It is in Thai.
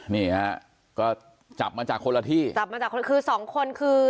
นี่ฮะก็จับมาจากคนละที่จับมาจากคนคือสองคนคือ